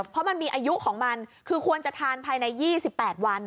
เพราะมันมีอายุของมันคือควรจะทานภายใน๒๘วัน